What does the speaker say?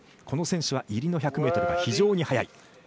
この選手は入りの１００ｍが非常に速い。